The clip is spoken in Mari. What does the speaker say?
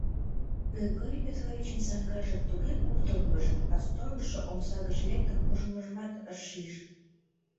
Григорий Петровичын саҥгаже туге куптыргыш, а сторожшо омса гыч лектын куржмыжымат ыш шиж...